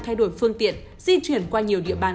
thay đổi phương tiện di chuyển qua nhiều địa bàn